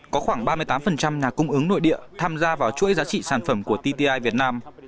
có khoảng ba mươi tám nhà cung ứng nội địa tham gia vào chuỗi giá trị sản phẩm của tti việt nam